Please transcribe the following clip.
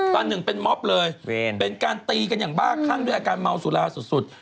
ปั้นหนึ่งเป็นม็อบเลยเป็นการกำผากด้วยอาการเมาสุราสุด